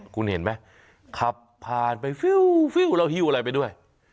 คุณเห็นไหมขับผ่านไปฟิวแล้วหิ้วอะไรไปด้วย